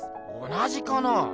同じかな？